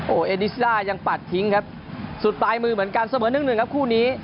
โอ้โหเอดิสด้ายังปัดทิ้งครับสุดปลายมือเหมือนกันเสมอหนึ่งหนึ่งครับคู่นี้